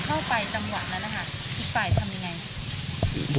พอเข้าไปจังหวะนั้นอีกฝ่ายทำยังไง